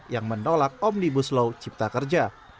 yang menolak omnibus law cipta kerja